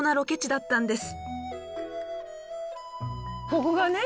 ここがね